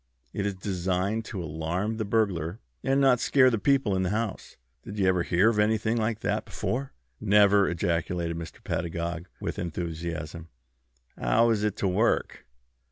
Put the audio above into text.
It is designed to alarm the burglar, and not scare the people in the house. Did you ever hear of anything like that before?" "Never!" ejaculated Mr. Pedagog, with enthusiasm. "How is it to work?"